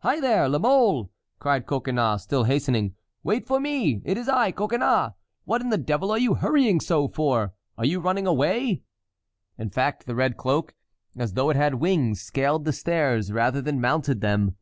"Hi there! La Mole!" cried Coconnas, still hastening. "Wait for me. It is I, Coconnas. What in the devil are you hurrying so for? Are you running away?" In fact the red cloak, as though it had wings, scaled the stairs rather than mounted them.